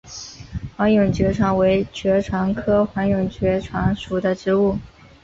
黄脉爵床为爵床科黄脉爵床属的植物。